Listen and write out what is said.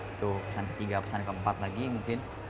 itu pesan ketiga pesan keempat lagi mungkin